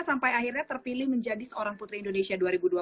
sampai akhirnya terpilih menjadi seorang putri indonesia dua ribu dua puluh